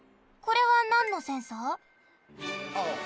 これはなんのセンサー？